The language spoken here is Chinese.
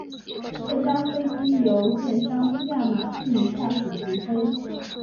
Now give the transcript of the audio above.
这架飞机由电商亚马逊下属的执飞。